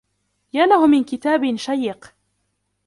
يا له من كتاب شيق!